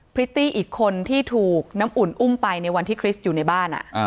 พริตตี้อีกคนที่ถูกน้ำอุ่นอุ้มไปในวันที่คริสต์อยู่ในบ้าน